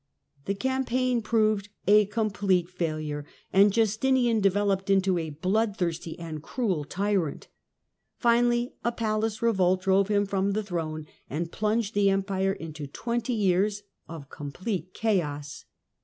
The campaign proved a complete failure, and Justinian developed into a bloodthirsty and cruel tyrant. Finally a palace revolt drove him from the throne and plunged the Empire into twenty years of complete chaos.